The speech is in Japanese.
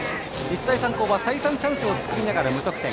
日大三高は再三チャンスを作りながら無得点。